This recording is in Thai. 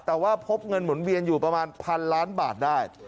แต่ว่าพบเงินหมุนเวียนอยู่ประมาณพันล้านบาทได้